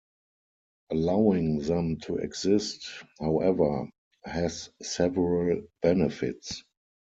Allowing them to exist, however, has several benefits.